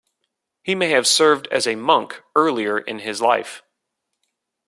He may have served as a monk earlier in his life.